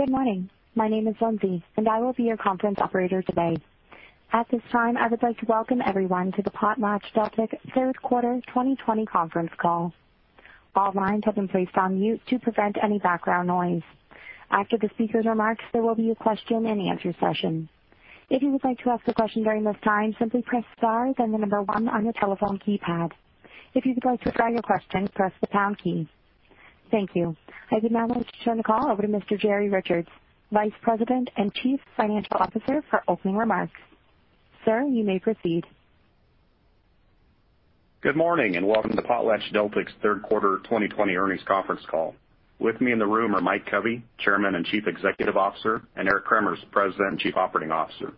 Good morning. My name is Lindsay, and I will be your conference operator today. At this time, I would like to welcome everyone to the PotlatchDeltic Third Quarter 2020 Conference Call. All lines have been placed on mute to prevent any background noise. After the speaker's remarks, there will be a question-and-answer session. If you would like to ask a question during this time, simply press star then the number one on your telephone keypad. If you would like to withdraw your question, press the pound key. Thank you. I would now like to turn the call over to Mr. Jerry Richards, Vice President and Chief Financial Officer, for opening remarks. Sir, you may proceed. Good morning, and welcome to PotlatchDeltic's Third Quarter 2020 Earnings Conference Call. With me in the room are Mike Covey, Chairman and Chief Executive Officer, and Eric Cremers, President and Chief Operating Officer.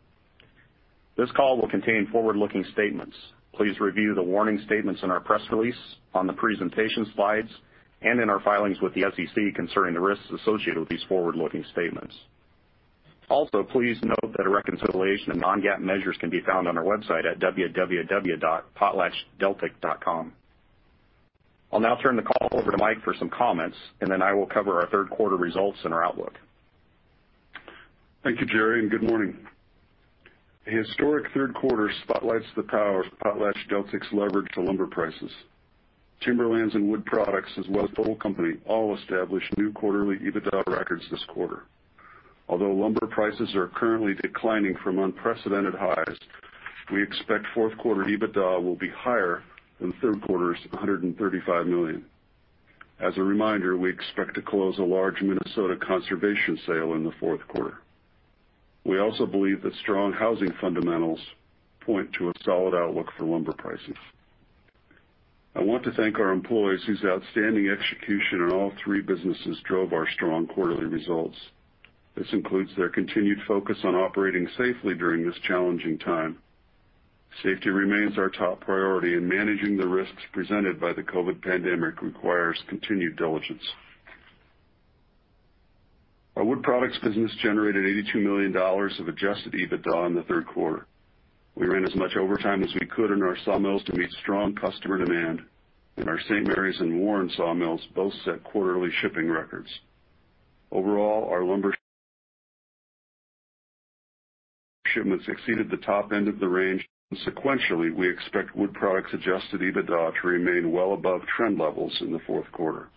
This call will contain forward-looking statements. Please review the warning statements in our press release, on the presentation slides, and in our filings with the SEC concerning the risks associated with these forward-looking statements. Also, please note that a reconciliation of non-GAAP measures can be found on our website at www.potlatchdeltic.com. I'll now turn the call over to Mike for some comments, and then I will cover our third quarter results and our outlook. Thank you, Jerry, and good morning. A historic third quarter spotlights the power of PotlatchDeltic's leverage to lumber prices. Timberlands and Wood Products, as well as the whole company, all established new quarterly EBITDA records this quarter. Although lumber prices are currently declining from unprecedented highs, we expect fourth quarter EBITDA will be higher than the third quarter's $135 million. As a reminder, we expect to close a large Minnesota conservation sale in the fourth quarter. We also believe that strong housing fundamentals point to a solid outlook for lumber pricing. I want to thank our employees whose outstanding execution in all three businesses drove our strong quarterly results. This includes their continued focus on operating safely during this challenging time. Safety remains our top priority, and managing the risks presented by the COVID pandemic requires continued diligence. Our Wood Products business generated $82 million of adjusted EBITDA in the third quarter. We ran as much overtime as we could in our sawmills to meet strong customer demand, and our St. Maries and Warren sawmills both set quarterly shipping records. Overall, our lumber shipments exceeded the top end of the range sequentially. We expect Wood Products adjusted EBITDA to remain well above trend levels in the fourth quarter.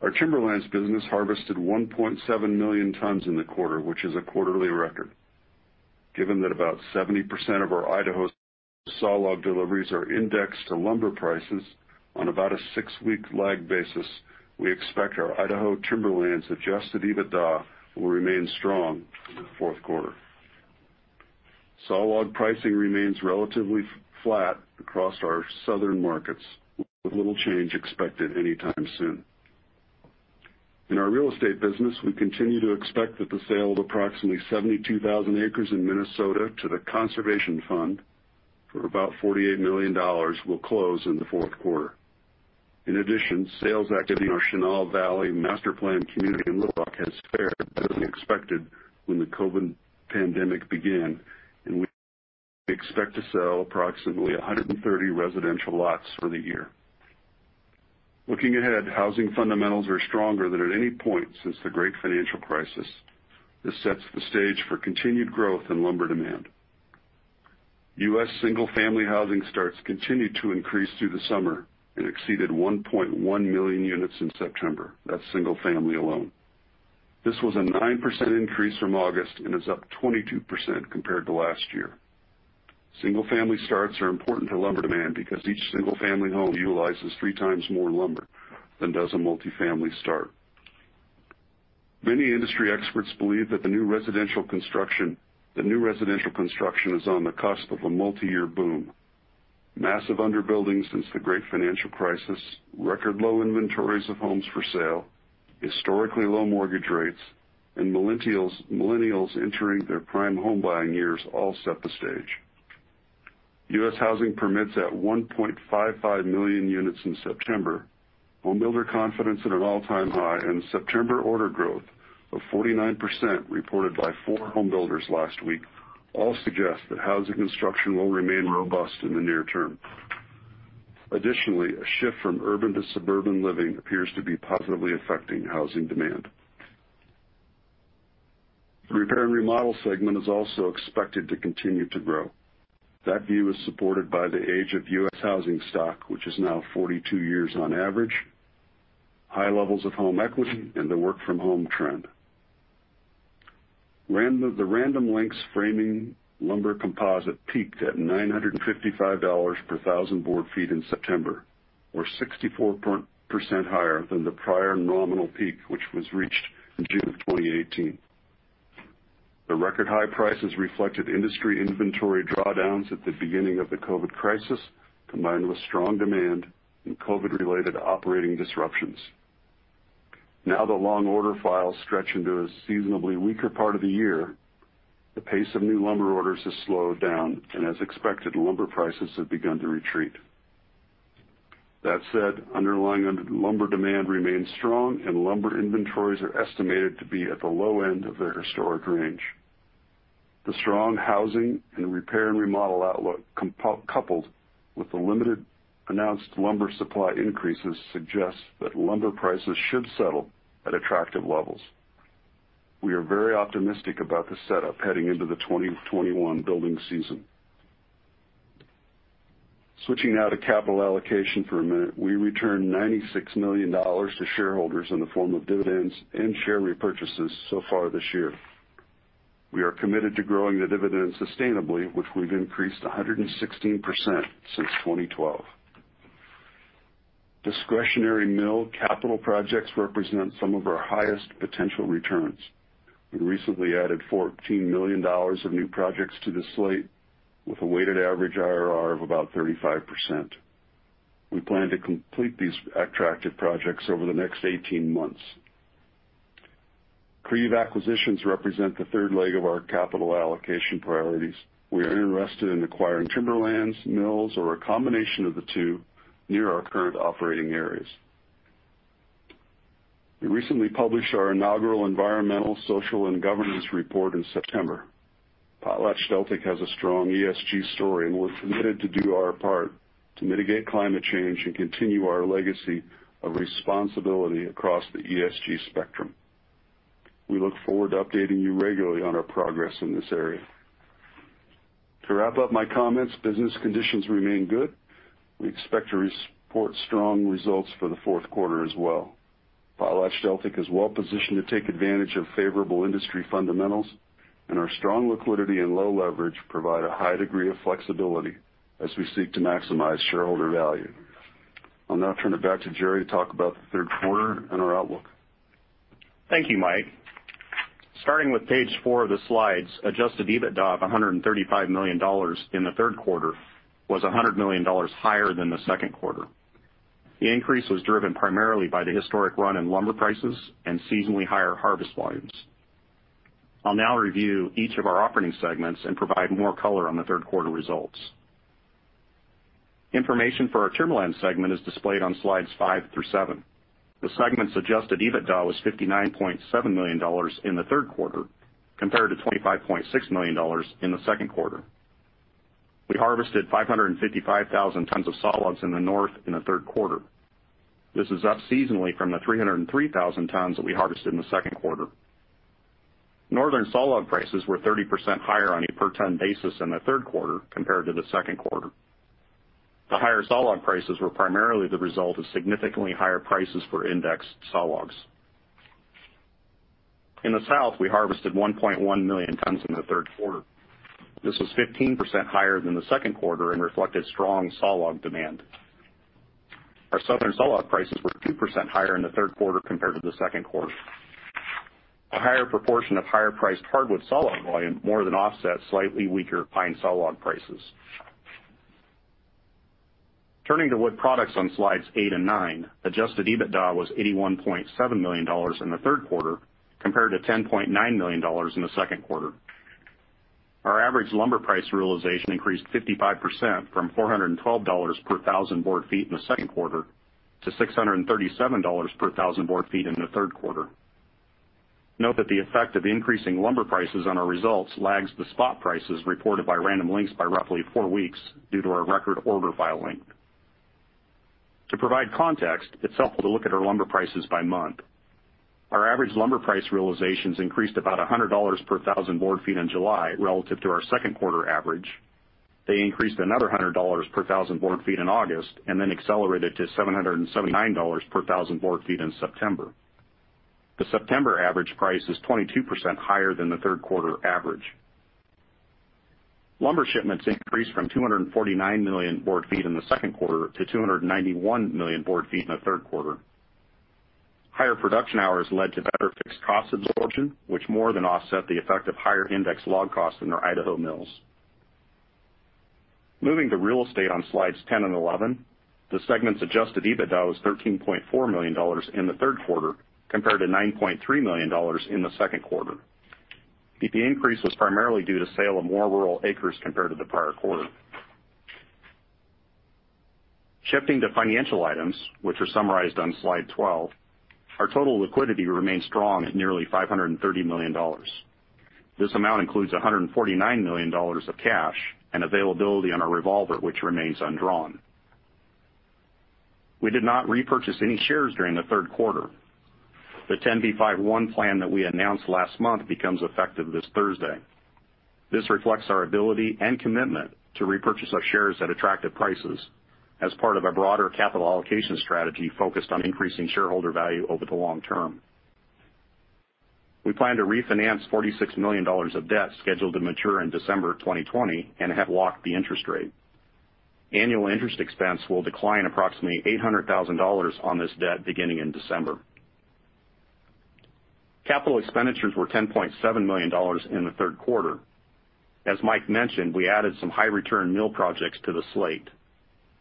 Our Timberlands business harvested 1.7 million tons in the quarter, which is a quarterly record. Given that about 70% of our Idaho sawlog deliveries are indexed to lumber prices on about a six-week lag basis, we expect our Idaho Timberlands adjusted EBITDA will remain strong in the fourth quarter. Sawlog pricing remains relatively flat across our southern markets, with little change expected any time soon. In our Real Estate business, we continue to expect that the sale of approximately 72,000 acres in Minnesota to The Conservation Fund for about $48 million will close in the fourth quarter. In addition, sales activity in our Chenal Valley master-planned community in Little Rock has fared better than expected when the COVID pandemic began, and we expect to sell approximately 130 residential lots for the year. Looking ahead, housing fundamentals are stronger than at any point since the great financial crisis. This sets the stage for continued growth in lumber demand. U.S. single-family housing starts continued to increase through the summer and exceeded 1.1 million units in September. That's single-family alone. This was a 9% increase from August and is up 22% compared to last year. Single-family starts are important to lumber demand because each single-family home utilizes three times more lumber than does a multifamily start. Many industry experts believe that the new residential construction is on the cusp of a multiyear boom. Massive underbuilding since the great financial crisis, record low inventories of homes for sale, historically low mortgage rates, and millennials entering their prime home buying years all set the stage. U.S. housing permits at 1.55 million units in September, homebuilder confidence at an all-time high, and September order growth of 49% reported by four homebuilders last week all suggest that housing construction will remain robust in the near term. Additionally, a shift from urban to suburban living appears to be positively affecting housing demand. The repair and remodel segment is also expected to continue to grow. That view is supported by the age of U.S. housing stock, which is now 42 years on average, high levels of home equity, and the work-from-home trend. The Random Lengths framing lumber composite peaked at $955 per thousand board feet in September, or 64% higher than the prior nominal peak, which was reached in June of 2018. The record-high prices reflected industry inventory drawdowns at the beginning of the COVID crisis, combined with strong demand and COVID-related operating disruptions. Now the long order files stretch into a seasonably weaker part of the year. The pace of new lumber orders has slowed down, and as expected, lumber prices have begun to retreat. That said, underlying lumber demand remains strong, and lumber inventories are estimated to be at the low end of their historic range. The strong housing and repair and remodel outlook, coupled with the limited announced lumber supply increases, suggests that lumber prices should settle at attractive levels. We are very optimistic about the setup heading into the 2021 building season. Switching now to capital allocation for a minute. We returned $96 million to shareholders in the form of dividends and share repurchases so far this year. We are committed to growing the dividend sustainably, which we've increased 116% since 2012. Discretionary mill capital projects represent some of our highest potential returns. We recently added $14 million of new projects to the slate with a weighted average IRR of about 35%. We plan to complete these attractive projects over the next 18 months. Creative acquisitions represent the third leg of our capital allocation priorities. We are interested in acquiring timberlands, mills, or a combination of the two near our current operating areas. We recently published our inaugural Environmental, Social, and Governance Report in September. PotlatchDeltic has a strong ESG story, and we're committed to do our part to mitigate climate change and continue our legacy of responsibility across the ESG spectrum. We look forward to updating you regularly on our progress in this area. To wrap up my comments, business conditions remain good. We expect to report strong results for the fourth quarter as well. PotlatchDeltic is well-positioned to take advantage of favorable industry fundamentals, and our strong liquidity and low leverage provide a high degree of flexibility as we seek to maximize shareholder value. I'll now turn it back to Jerry to talk about the third quarter and our outlook. Thank you, Mike. Starting with page four of the slides, adjusted EBITDA of $135 million in the third quarter was $100 million higher than the second quarter. The increase was driven primarily by the historic run in lumber prices and seasonally higher harvest volumes. I will now review each of our operating segments and provide more color on the third quarter results. Information for our Timberlands segment is displayed on slides five through seven. The segment's adjusted EBITDA was $59.7 million in the third quarter, compared to $25.6 million in the second quarter. We harvested 555,000 tons of sawlogs in the North in the third quarter. This is up seasonally from the 303,000 tons that we harvested in the second quarter. Northern sawlog prices were 30% higher on a per ton basis in the third quarter compared to the second quarter. The higher sawlog prices were primarily the result of significantly higher prices for indexed sawlogs. In the South, we harvested 1.1 million tons in the third quarter. This was 15% higher than the second quarter and reflected strong sawlog demand. Our Southern sawlog prices were 2% higher in the third quarter compared to the second quarter. A higher proportion of higher-priced hardwood sawlog volume more than offset slightly weaker pine sawlog prices. Turning to Wood Products on slides eight and nine, adjusted EBITDA was $81.7 million in the third quarter, compared to $10.9 million in the second quarter. Our average lumber price realization increased 55% from $412 per thousand board feet in the second quarter to $637 per thousand board feet in the third quarter. Note that the effect of increasing lumber prices on our results lags the spot prices reported by Random Lengths by roughly four weeks due to our record order file length. To provide context, it's helpful to look at our lumber prices by month. Our average lumber price realizations increased about $100 per thousand board feet in July relative to our second quarter average. They increased another $100 per thousand board feet in August, and then accelerated to $779 per thousand board feet in September. The September average price is 22% higher than the third quarter average. Lumber shipments increased from 249 million board feet in the second quarter to 291 million board feet in the third quarter. Higher production hours led to better fixed cost absorption, which more than offset the effect of higher index log costs in our Idaho mills. Moving to Real Estate on slides 10 and 11, the segment's adjusted EBITDA was $13.4 million in the third quarter, compared to $9.3 million in the second quarter. The increase was primarily due to sale of more rural acres compared to the prior quarter. Shifting to financial items, which are summarized on slide 12, our total liquidity remains strong at nearly $530 million. This amount includes $149 million of cash and availability on our revolver, which remains undrawn. We did not repurchase any shares during the third quarter. The 10b5-1 plan that we announced last month becomes effective this Thursday. This reflects our ability and commitment to repurchase our shares at attractive prices as part of a broader capital allocation strategy focused on increasing shareholder value over the long term. We plan to refinance $46 million of debt scheduled to mature in December 2020 and have locked the interest rate. Annual interest expense will decline approximately $800,000 on this debt beginning in December. Capital expenditures were $10.7 million in the third quarter. As Mike mentioned, we added some high-return mill projects to the slate.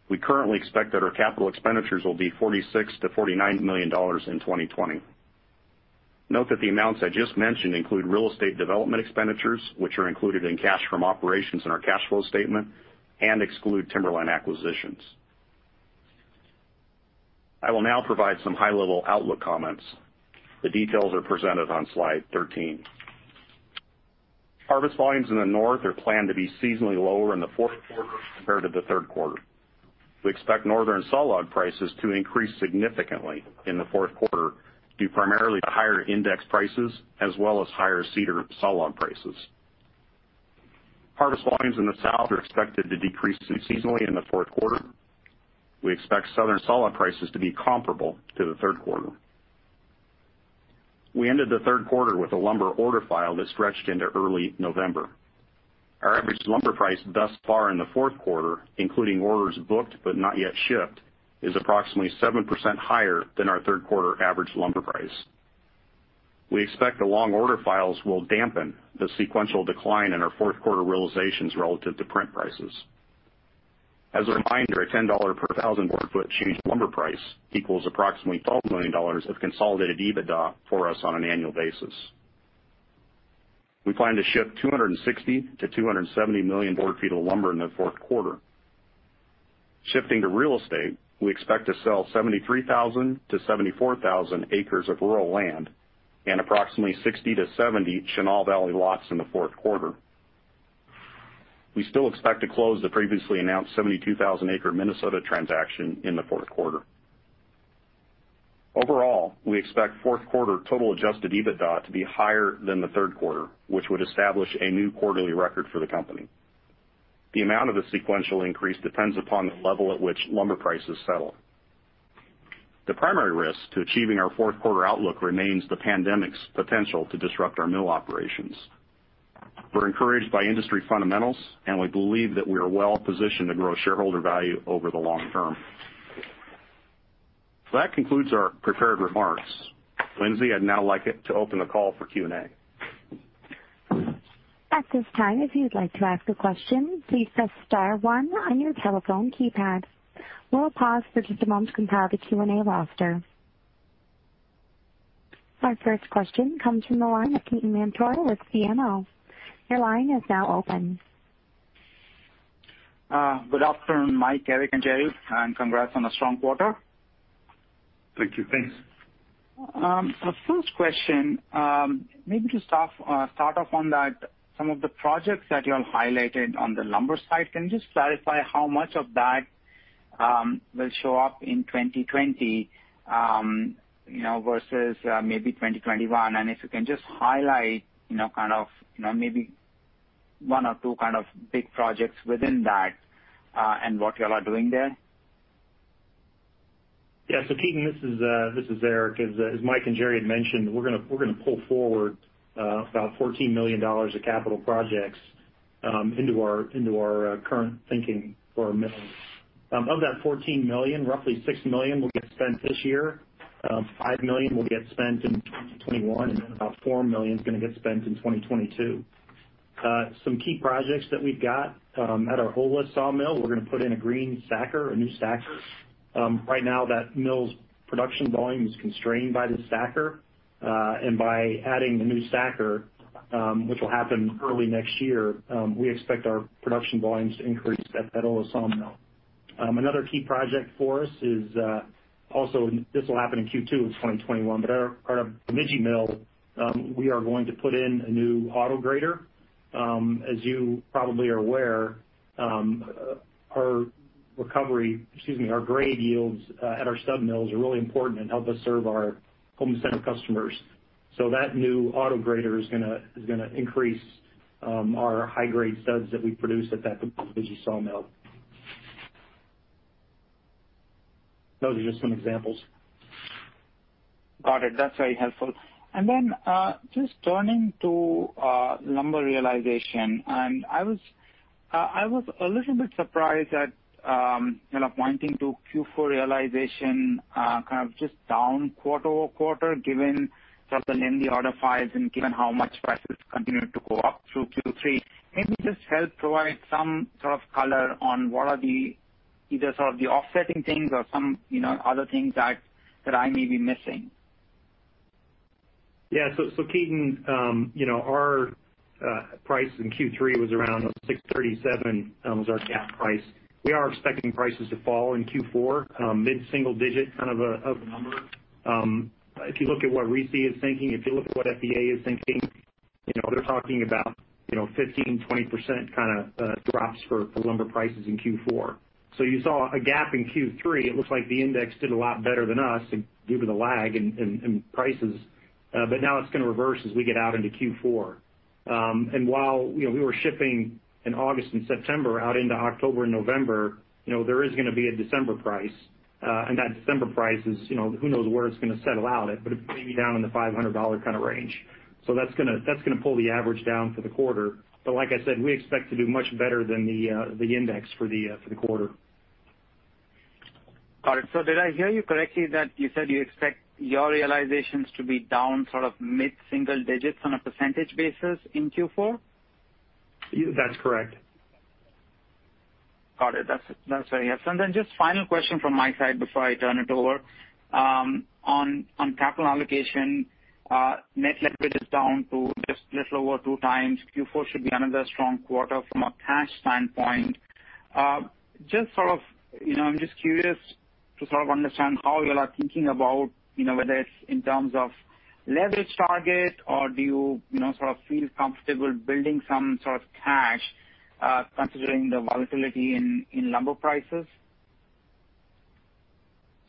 We currently expect that our capital expenditures will be $46 million-$49 million in 2020. Note that the amounts I just mentioned include real estate development expenditures, which are included in cash from operations in our cash flow statement and exclude timberland acquisitions. I will now provide some high-level outlook comments. The details are presented on slide 13. Harvest volumes in the north are planned to be seasonally lower in the fourth quarter compared to the third quarter. We expect northern sawlog prices to increase significantly in the fourth quarter, due primarily to higher index prices as well as higher cedar sawlog prices. Harvest volumes in the south are expected to decrease seasonally in the fourth quarter. We expect southern sawlog prices to be comparable to the third quarter. We ended the third quarter with a lumber order file that stretched into early November. Our average lumber price thus far in the fourth quarter, including orders booked but not yet shipped, is approximately 7% higher than our third quarter average lumber price. We expect the long order files will dampen the sequential decline in our fourth-quarter realizations relative to print prices. As a reminder, a $10 per thousand board foot change in lumber price equals approximately $12 million of consolidated EBITDA for us on an annual basis. We plan to ship 260 million board feet-270 million board feet of lumber in the fourth quarter. Shifting to Real Estate, we expect to sell 73,000 acres-74,000 acres of rural land and approximately 60 Chenal Valley lots-70 Chenal Valley lots in the fourth quarter. We still expect to close the previously announced 72,000-acre Minnesota transaction in the fourth quarter. Overall, we expect fourth quarter total adjusted EBITDA to be higher than the third quarter, which would establish a new quarterly record for the company. The amount of the sequential increase depends upon the level at which lumber prices settle. The primary risk to achieving our fourth quarter outlook remains the pandemic's potential to disrupt our mill operations. We're encouraged by industry fundamentals, and we believe that we are well-positioned to grow shareholder value over the long term. That concludes our prepared remarks. Lindsay, I'd now like to open the call for Q&A. At this time, if you'd like to ask a question, please press star one on your telephone keypad. We'll pause for just a moment to compile the Q&A roster. Our first question comes from the line of Ketan Mamtora with BMO. Your line is now open. Good afternoon, Mike, Eric, and Jerry, and congrats on a strong quarter. Thank you. Thanks. The first question, maybe to start off on that, some of the projects that you all highlighted on the lumber side, can you just clarify how much of that will show up in 2020, versus maybe 2021? If you can just highlight maybe one or two big projects within that and what you all are doing there. Yeah. Ketan Mamtora, this is Eric. As Mike and Jerry had mentioned, we're going to pull forward about $14 million of capital projects into our current thinking for our mills. Of that $14 million, roughly $6 million will get spent this year, $5 million will get spent in 2021, and then about $4 million is going to get spent in 2022. Some key projects that we've got at our Ola sawmill, we're going to put in a green stacker, a new stacker. Right now, that mill's production volume is constrained by the stacker. By adding the new stacker, which will happen early next year, we expect our production volumes to increase at Ola sawmill. Another key project for us is, also this will happen in Q2 of 2021, but our Bemidji mill, we are going to put in a new auto-grader. As you probably are aware, our grade yields at our stud mills are really important and help us serve our home center customers. That new auto-grader is going to increase our high-grade studs that we produce at that Bemidji sawmill. Those are just some examples. Got it. That's very helpful. Then just turning to lumber realization, and I was a little bit surprised at pointing to Q4 realization just down quarter-over-quarter, given sort of the order files and given how much prices continued to go up through Q3. Maybe just help provide some sort of color on what are either sort of the offsetting things or some other things that I may be missing. Ketan, our price in Q3 was around $637, was our cap price. We are expecting prices to fall in Q4, mid-single digit kind of a number. If you look at what RISI is thinking, if you look at what FEA is thinking, they're talking about 15%-20% kind of drops for lumber prices in Q4. You saw a gap in Q3. It looks like the index did a lot better than us due to the lag in prices. Now it's going to reverse as we get out into Q4. While we were shipping in August and September out into October and November, there is going to be a December price. That December price is, who knows where it's going to settle out, but it may be down in the $500 kind of range. That's going to pull the average down for the quarter. Like I said, we expect to do much better than the index for the quarter. Got it. Did I hear you correctly that you said you expect your realizations to be down sort of mid-single digits on a percentage basis in Q4? That's correct. Got it. That's very helpful. Then just final question from my side before I turn it over. On capital allocation, net leverage is down to just a little over 2x. Q4 should be another strong quarter from a cash standpoint. I'm just curious to sort of understand how you all are thinking about whether it's in terms of leverage target or do you feel comfortable building some sort of cash, considering the volatility in lumber prices?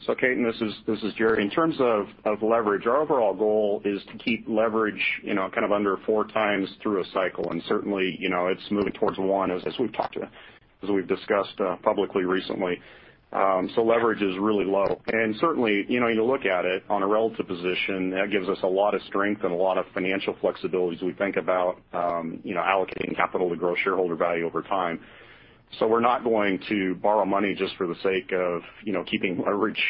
Ketan, this is Jerry. In terms of leverage, our overall goal is to keep leverage under four times through a cycle and certainly, it's moving towards one as we've discussed publicly recently. Leverage is really low and certainly, you look at it on a relative position, that gives us a lot of strength and a lot of financial flexibility as we think about allocating capital to grow shareholder value over time. We're not going to borrow money just for the sake of keeping leverage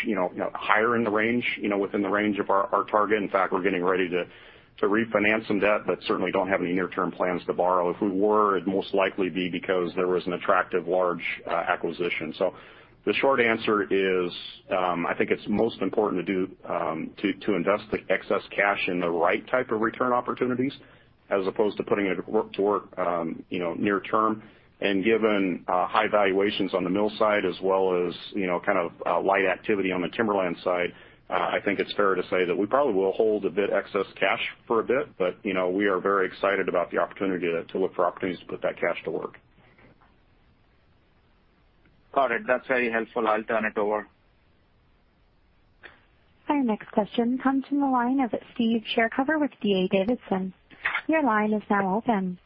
higher in the range, within the range of our target. In fact, we're getting ready to refinance some debt, but certainly don't have any near-term plans to borrow. If we were, it'd most likely be because there was an attractive large acquisition. The short answer is, I think it's most important to invest the excess cash in the right type of return opportunities as opposed to putting it to work near term. Given high valuations on the mill side as well as light activity on the Timberland side, I think it's fair to say that we probably will hold a bit excess cash for a bit, but we are very excited about the opportunity to look for opportunities to put that cash to work. Got it. That's very helpful. I'll turn it over. Our next question comes from the line of Steve Chercover with D.A. Davidson. Your line is now open.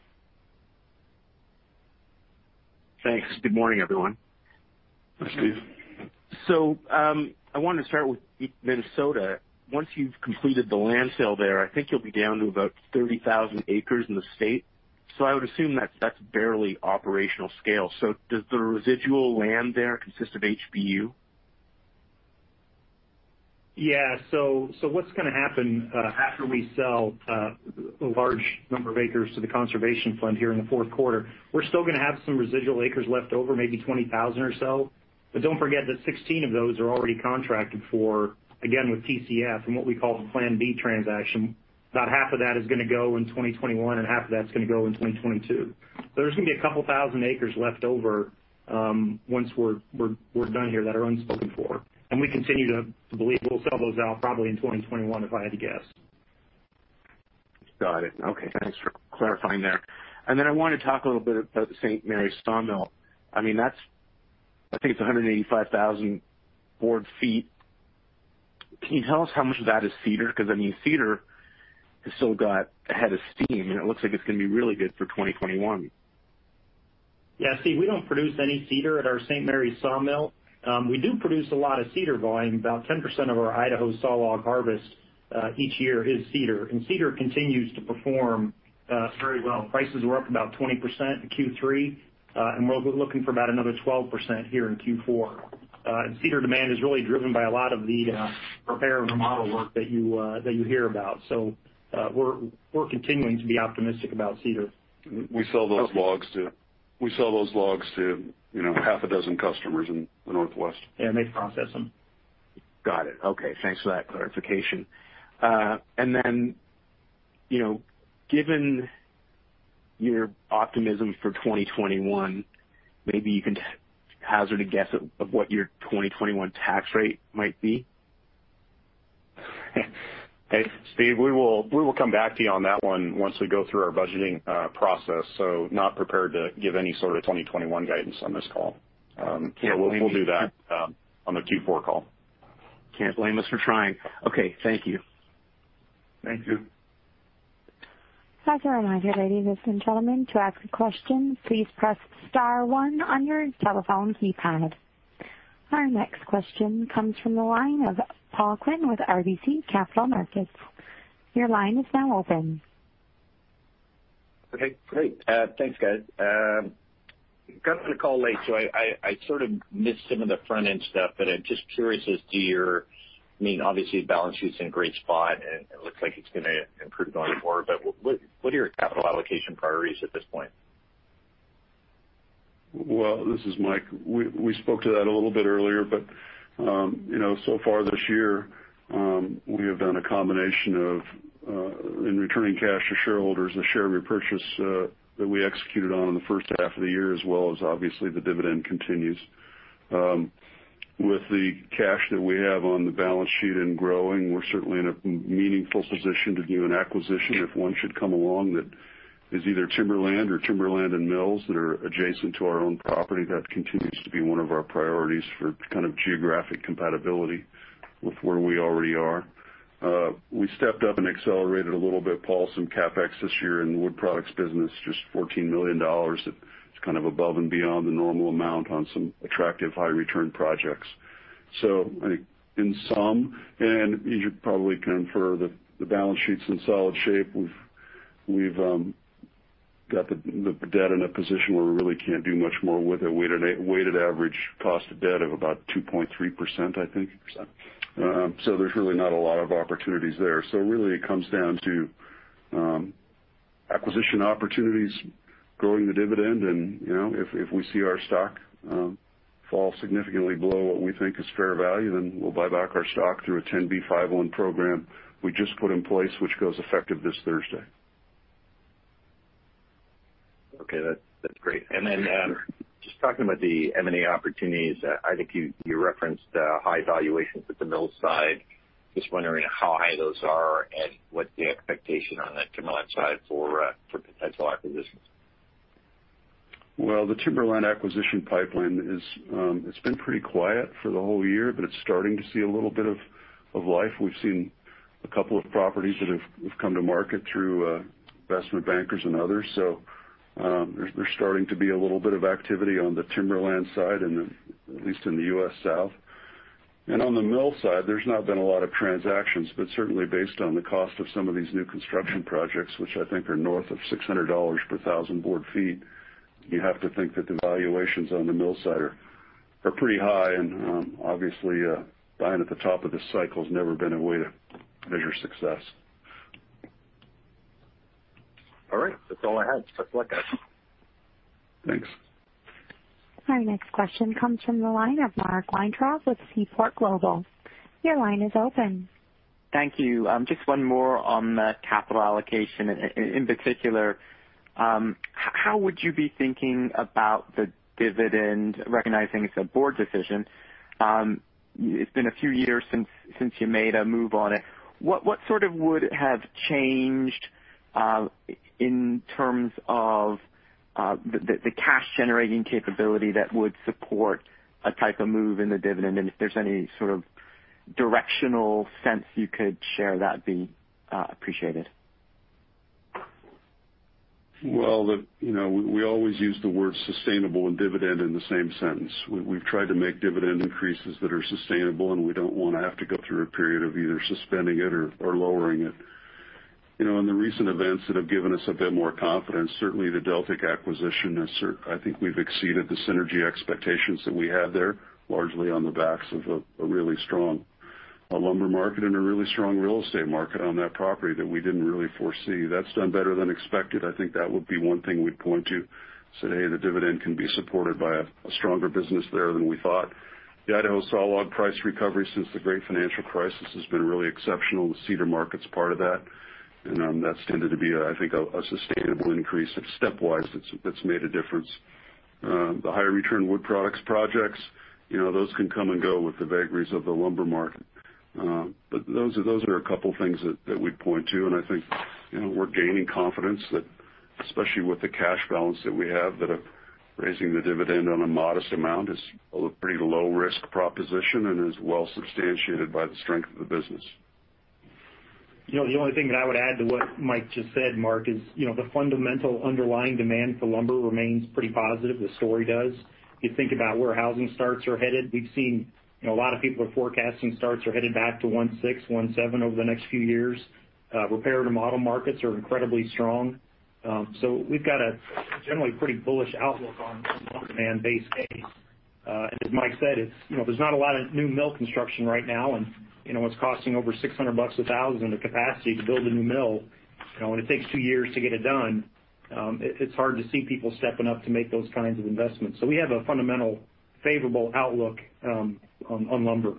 Thanks. Good morning, everyone. Hi, Steve. I wanted to start with Minnesota. Once you've completed the land sale there, I think you'll be down to about 30,000 acres in the state. I would assume that's barely operational scale. Does the residual land there consist of HBU? What's going to happen after we sell a large number of acres to The Conservation Fund here in the fourth quarter, we're still going to have some residual acres left over, maybe 20,000 acres or so. Don't forget that 16,000 acres of those are already contracted for, again, with TCF in what we call the Plan B transaction. About half of that is going to go in 2021, and half of that's going to go in 2022. There's going to be 2,000 acres left over, once we're done here that are unspoken for, and we continue to believe we'll sell those off probably in 2021, if I had to guess. Got it. Okay. Thanks for clarifying there. I want to talk a little bit about the St. Maries sawmill. I think it's 185,000 board feet. Can you tell us how much of that is cedar? Cedar has still got a head of steam, and it looks like it's going to be really good for 2021. Yeah. Steve, we don't produce any cedar at our St. Maries sawmill. We do produce a lot of cedar volume. About 10% of our Idaho sawlog harvest each year is cedar, and cedar continues to perform very well. Prices were up about 20% in Q3, and we're looking for about another 12% here in Q4. Cedar demand is really driven by a lot of the repair and remodel work that you hear about. We're continuing to be optimistic about cedar. We sell those logs to half a dozen customers in the Northwest. Yeah, they process them. Got it. Okay. Thanks for that clarification. Given your optimism for 2021, maybe you can hazard a guess of what your 2021 tax rate might be? Hey, Steve, we will come back to you on that one once we go through our budgeting process. Not prepared to give any sort of 2021 guidance on this call. We'll do that on the Q4 call. Can't blame us for trying. Okay. Thank you. Thank you. I'd just remind you, ladies, gentlemen, to ask a question, please press star one on your telephone keypad. Our next question comes from the line of Paul Quinn with RBC Capital Markets. Your line is now open. Okay, great. Thanks, guys. Got on the call late, so I sort of missed some of the front-end stuff, but I'm just curious as to Obviously, the balance sheet's in a great spot, and it looks like it's going to improve going forward, but what are your capital allocation priorities at this point? Well, this is Mike. We spoke to that a little bit earlier, but so far this year, we have done a combination of in returning cash to shareholders, the share repurchase that we executed on in the first half of the year, as well as obviously the dividend continues. With the cash that we have on the balance sheet and growing, we're certainly in a meaningful position to do an acquisition if one should come along that is either timberland or timberland and mills that are adjacent to our own property. That continues to be one of our priorities for kind of geographic compatibility with where we already are. We stepped up and accelerated a little bit, Paul, some CapEx this year in the Wood Products business, just $14 million. It's kind of above and beyond the normal amount on some attractive high-return projects. In sum, you could probably confirm the balance sheet's in solid shape. We've got the debt in a position where we really can't do much more with it. Weighted average cost of debt of about 2.3%, I think. 2%. There's really not a lot of opportunities there. Really it comes down to acquisition opportunities, growing the dividend, and if we see our stock fall significantly below what we think is fair value, then we'll buy back our stock through a 10b5-1 program we just put in place, which goes effective this Thursday. Okay, that's great. Just talking about the M&A opportunities, I think you referenced high valuations at the mill side. Just wondering how high those are and what the expectation on that Timberland side for potential acquisitions. Well, the timberland acquisition pipeline, it's been pretty quiet for the whole year, but it's starting to see a little bit of life. We've seen a couple of properties that have come to market through investment bankers and others. There's starting to be a little bit of activity on the Timberland side, at least in the U.S. South. On the mill side, there's not been a lot of transactions, but certainly based on the cost of some of these new construction projects, which I think are north of $600 per 1,000 board feet, you have to think that the valuations on the mill side are pretty high. Obviously, buying at the top of the cycle has never been a way to measure success. All right. That's all I had. Best of luck, guys. Thanks. Our next question comes from the line of Mark Weintraub with Seaport Global. Your line is open. Thank you. Just one more on the capital allocation. In particular, how would you be thinking about the dividend, recognizing it's a board decision? It's been a few years since you made a move on it. What would have changed in terms of the cash-generating capability that would support a type of move in the dividend? If there's any sort of directional sense you could share, that'd be appreciated. Well, we always use the words sustainable and dividend in the same sentence. We've tried to make dividend increases that are sustainable, and we don't want to have to go through a period of either suspending it or lowering it. In the recent events that have given us a bit more confidence, certainly the Deltic acquisition, I think we've exceeded the synergy expectations that we had there, largely on the backs of a really strong lumber market and a really strong real estate market on that property that we didn't really foresee. That's done better than expected. I think that would be one thing we'd point to, say, "Hey, the dividend can be supported by a stronger business there than we thought." The Idaho sawlog price recovery since the great financial crisis has been really exceptional. The cedar market's part of that, and that's tended to be, I think, a sustainable increase. Step wise, it's made a difference. The higher return Wood Products projects, those can come and go with the vagaries of the lumber market. Those are a couple things that we'd point to, and I think we're gaining confidence that, especially with the cash balance that we have, that raising the dividend on a modest amount is a pretty low-risk proposition and is well substantiated by the strength of the business. The only thing that I would add to what Mike just said, Mark, is the fundamental underlying demand for lumber remains pretty positive. The story does. You think about where housing starts are headed. We've seen a lot of people are forecasting starts are headed back to 1.6 million-1.7 million over the next few years. Repair and remodel markets are incredibly strong. We've got a generally pretty bullish outlook on lumber demand base case. As Mike said, there's not a lot of new mill construction right now, and it's costing over $600 a thousand to capacity to build a new mill. When it takes two years to get it done, it's hard to see people stepping up to make those kinds of investments. We have a fundamental favorable outlook on lumber.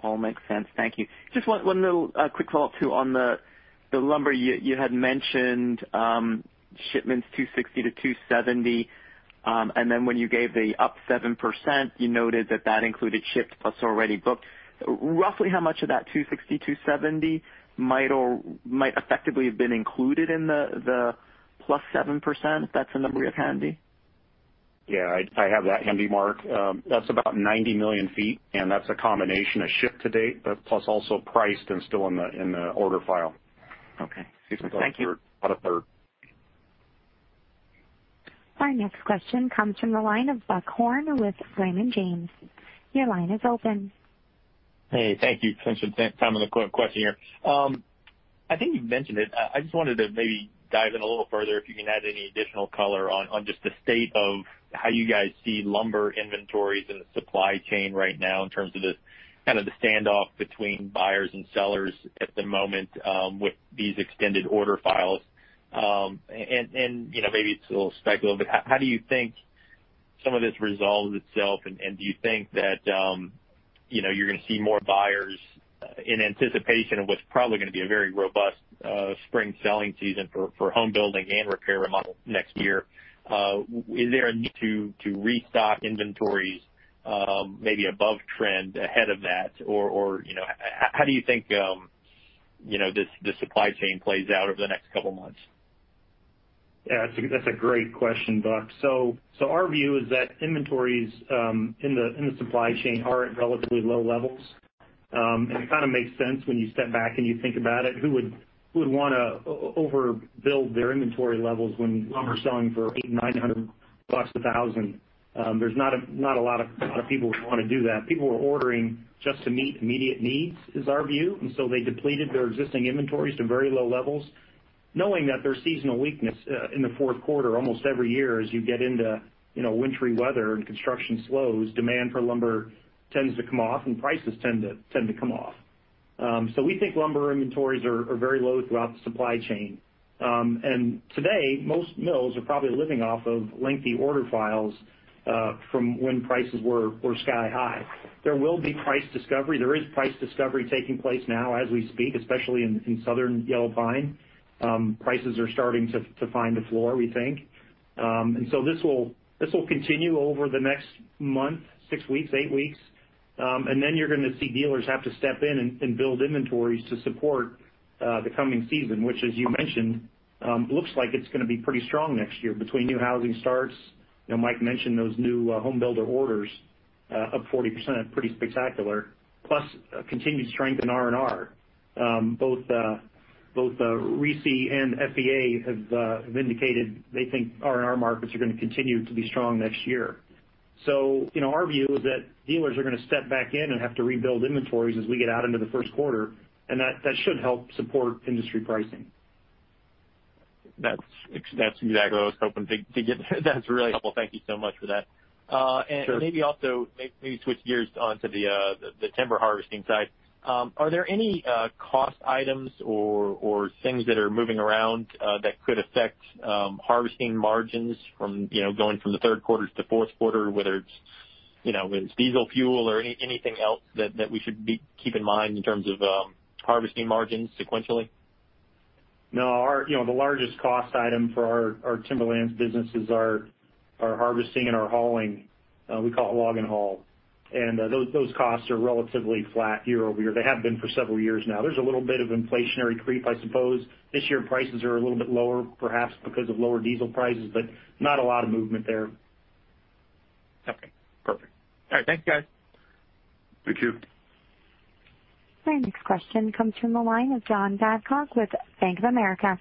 All makes sense. Thank you. Just one little quick follow-up, too, on the lumber. You had mentioned shipments 260 million board feet-270 million board feet, when you gave the +7%, you noted that that included ships plus already booked. Roughly how much of that 260 million board feet-270 million board feet might effectively have been included in the +7%, if that's a number you have handy? Yeah, I have that handy, Mark. That's about 90 million feet, and that's a combination of ship to date, but plus also priced and still in the order file. Okay. Thank you. About 1/3. Our next question comes from the line of Buck Horne with Raymond James. Your line is open. Hey, thank you. Thanks for the time and the question here. I think you mentioned it. I just wanted to maybe dive in a little further if you can add any additional color on just the state of how you guys see lumber inventories in the supply chain right now in terms of the standoff between buyers and sellers at the moment with these extended order files. Maybe it's a little speculative, but how do you think some of this resolves itself, and do you think that you're going to see more buyers in anticipation of what's probably going to be a very robust spring selling season for home building and repair and remodel next year? Is there a need to restock inventories maybe above trend ahead of that? How do you think the supply chain plays out over the next couple of months? Yeah, that's a great question, Buck. Our view is that inventories in the supply chain are at relatively low levels. It kind of makes sense when you step back and you think about it. Who would want to overbuild their inventory levels when lumber's selling for $800, $900, $1,000? There's not a lot of people who would want to do that. People were ordering just to meet immediate needs, is our view. They depleted their existing inventories to very low levels, knowing that there's seasonal weakness in the fourth quarter almost every year as you get into wintry weather and construction slows, demand for lumber tends to come off and prices tend to come off. We think lumber inventories are very low throughout the supply chain. Today, most mills are probably living off of lengthy order files from when prices were sky-high. There will be price discovery. There is price discovery taking place now as we speak, especially in southern yellow pine. Prices are starting to find the floor, we think. This will continue over the next month, six weeks, eight weeks. You're going to see dealers have to step in and build inventories to support the coming season, which as you mentioned looks like it's going to be pretty strong next year between new housing starts. Mike mentioned those new home builder orders up 40%, pretty spectacular, plus continued strength in R&R. Both RISI and FEA have indicated they think R&R markets are going to continue to be strong next year. Our view is that dealers are going to step back in and have to rebuild inventories as we get out into the first quarter, and that should help support industry pricing. That's exactly what I was hoping to get. That's really helpful. Thank you so much for that. Sure. Maybe also switch gears onto the timber harvesting side. Are there any cost items or things that are moving around that could affect harvesting margins going from the third quarter to fourth quarter, whether it's diesel fuel or anything else that we should keep in mind in terms of harvesting margins sequentially? No. The largest cost item for our Timberlands business is our harvesting and our hauling. We call it log and haul. Those costs are relatively flat year-over-year. They have been for several years now. There's a little bit of inflationary creep, I suppose. This year, prices are a little bit lower, perhaps because of lower diesel prices, but not a lot of movement there. Okay, perfect. All right. Thank you, guys. Thank you. Our next question comes from the line of John Babcock with Bank of America.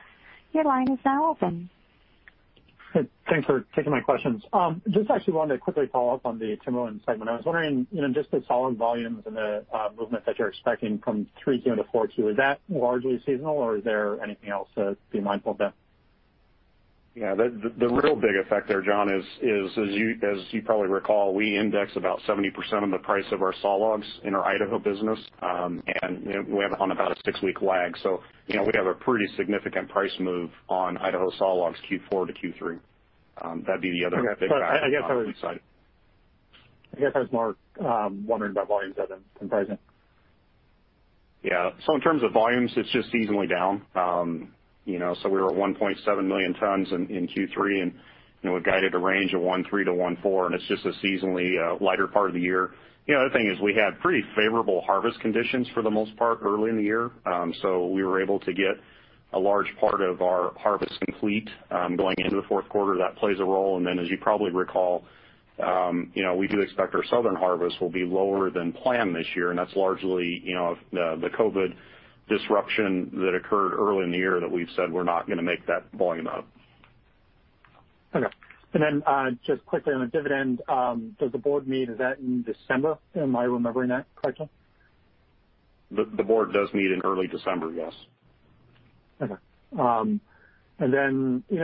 Your line is now open. Thanks for taking my questions. Just actually wanted to quickly follow up on the Timberland segment. I was wondering, just the solid volumes and the movement that you're expecting from 3Q to 4Q, is that largely seasonal, or is there anything else to be mindful of there? Yeah. The real big effect there, John, is as you probably recall, we index about 70% of the price of our sawlogs in our Idaho business, and we have on about a six-week lag. We have a pretty significant price move on Idaho sawlogs Q4 to Q3. That'd be the other big factor on the wood side. Okay. I guess I was more wondering about volumes then, in pricing. Yeah. In terms of volumes, it's just seasonally down. We were at 1.7 million tons in Q3, and we've guided a range of 1.3 million tons-1.4 million tons, and it's just a seasonally lighter part of the year. The other thing is we had pretty favorable harvest conditions for the most part early in the year, so we were able to get a large part of our harvest complete going into the fourth quarter. That plays a role. Then, as you probably recall we do expect our southern harvest will be lower than planned this year, and that's largely the COVID disruption that occurred early in the year that we've said we're not going to make that volume up. Okay. Then just quickly on the dividend, does the board meet, is that in December? Am I remembering that correctly? The board does meet in early December, yes. Okay.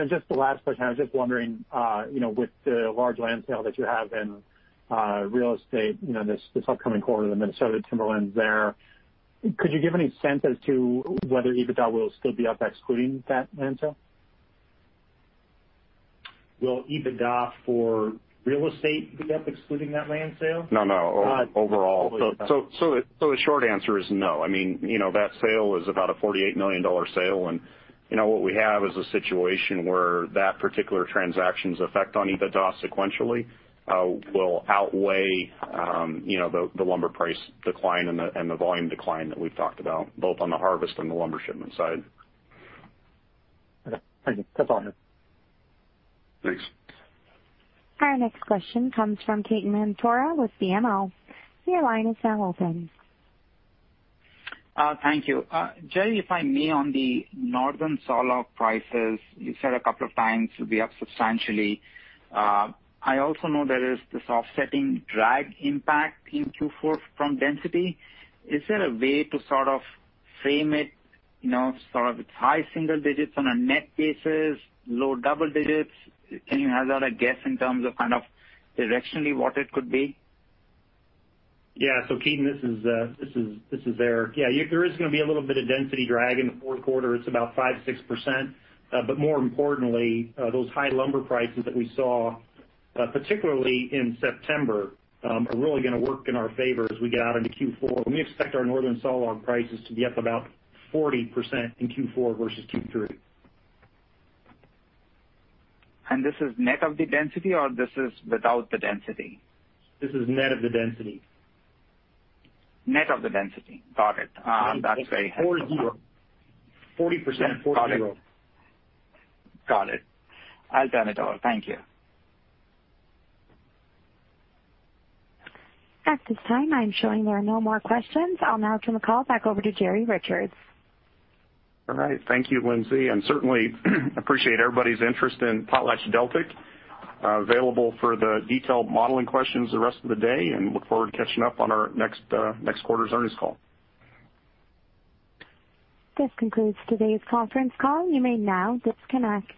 Just the last question, I was just wondering with the large land sale that you have in Real Estate this upcoming quarter, the Minnesota timberlands there, could you give any sense as to whether EBITDA will still be up excluding that land sale? Will EBITDA for Real Estate be up excluding that land sale? No. Overall. The short answer is no. That sale was about a $48 million sale, and what we have is a situation where that particular transaction's effect on EBITDA sequentially will outweigh the lumber price decline and the volume decline that we've talked about, both on the harvest and the lumber shipment side. Okay. Thank you. That's all I had. Thanks. Our next question comes from Ketan Mamtora with BMO. Your line is now open. Thank you. Jerry, if I may, on the northern sawlog prices, you said a couple of times will be up substantially. I also know there is this offsetting drag impact in Q4 from density. Is there a way to sort of frame it, sort of it's high single digits on a net basis, low double digits? Can you hazard a guess in terms of kind of directionally what it could be? Yeah. Ketan, this is Eric. There is going to be a little bit of density drag in the fourth quarter. It's about 5%-6%. More importantly, those high lumber prices that we saw particularly in September, are really going to work in our favor as we get out into Q4. We expect our northern sawlog prices to be up about 40% in Q4 versus Q3. This is net of the density, or this is without the density? This is net of the density. Net of the density. Got it. That's very helpful. 40%. Got it. I'll turn it over. Thank you. At this time, I'm showing there are no more questions. I'll now turn the call back over to Jerry Richards. All right. Thank you, Lindsay, and certainly appreciate everybody's interest in PotlatchDeltic. Available for the detailed modeling questions the rest of the day, and look forward to catching up on our next quarter's earnings call. This concludes today's conference call. You may now disconnect.